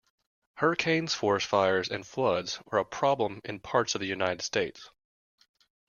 Hurricanes, forest fires and floods are a problem in parts of the United States.